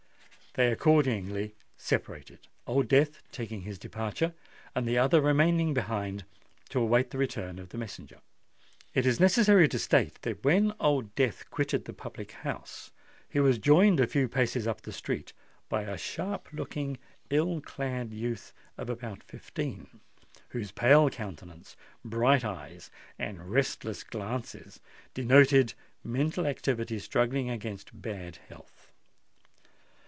They accordingly separated—Old Death taking his departure, and the other remaining behind to await the return of his messenger. It is necessary to state that when Old Death quitted the public house, he was joined a few paces up the street by a sharp looking, ill clad youth of about fifteen, whose pale countenance, bright eyes, and restless glances denoted mental activity struggling against bad health.